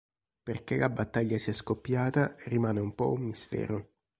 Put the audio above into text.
Perché la battaglia sia scoppiata rimane un po' un mistero.